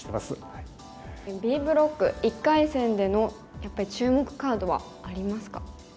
Ｂブロック１回戦でのやっぱり注目カードはありますか？